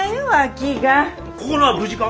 ここのは無事か？